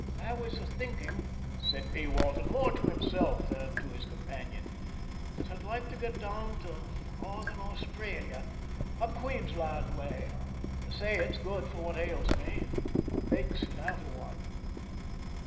"I was thinking," said P. Walton, more to himself than to his companion, "that I'd like to get down to Northern Australia up Queensland way. They say it's good for what ails me bakes it out of one."